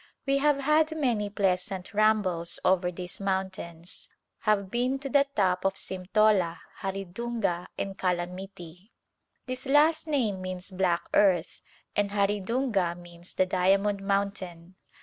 We have had many pleasant rambles over these mountains, have been to the top of Simtola, Haridunga and Kala Mitti. This last name means "black earth," and Haridunga means " the diamond moun tain."